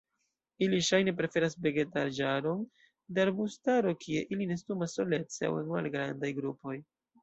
Ili ŝajne preferas vegetaĵaron de arbustaro kie ili nestumas solece aŭ en malgrandaj grupoj.